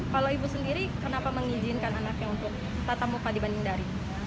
kalau ibu sendiri kenapa mengizinkan anaknya untuk tatap muka dibanding dari